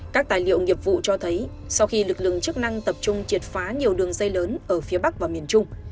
các tài liệu nghiệp vụ cho thấy sau khi lực lượng chức năng tập trung triệt phá nhiều đường dây lớn ở phía bắc và miền trung